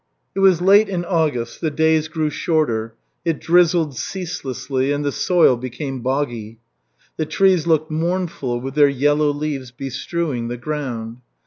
It was late in August, the days grew shorter; it drizzled ceaselessly and the soil became boggy. The trees looked mournful, with their yellow leaves bestrewing the ground.